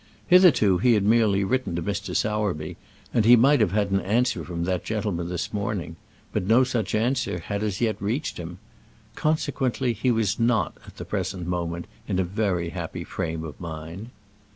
Hitherto he had merely written to Mr. Sowerby, and he might have had an answer from that gentleman this morning, but no such answer had as yet reached him. Consequently he was not, at the present moment, in a very happy frame of mind.